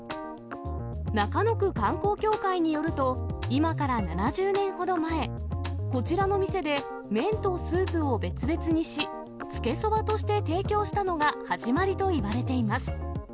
中野区観光協会によると、今から７０年ほど前、こちらの店で麺とスープを別々にし、つけそばとして提供したのが始まりといわれています。